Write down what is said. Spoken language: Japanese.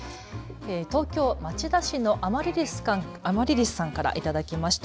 東京町田市のアマリリスさんから頂きました。